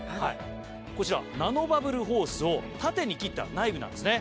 こちらナノバブルホースを縦に切った内部なんですね。